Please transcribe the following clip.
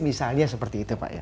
misalnya seperti itu pak